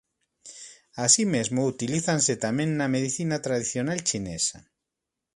Así mesmo utilízase tamén na medicina tradicional chinesa.